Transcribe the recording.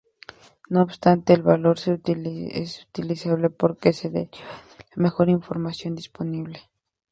No obstante, el valor es utilizable porque se deriva de la mejor información disponible.